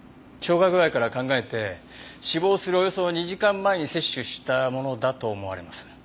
消化具合から考えて死亡するおよそ２時間前に摂取したものだと思われます。